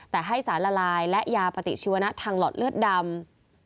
แต่ให้สารละลายและยาปฏิชีวนะทางหลอดเลือดดำ